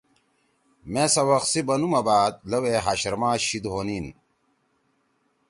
مے سوق سی بنو ما بعد لوے ہاشر ما شید ہونین۔